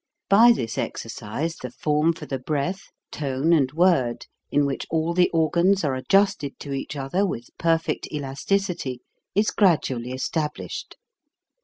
By this exercise the form for the breath, tone, and word, in which all the organs are adjusted to each other with per fect elasticity, is gradually established.